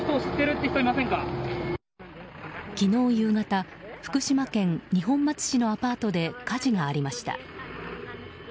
昨日夕方、福島県二本松市のアパートで火事がありました。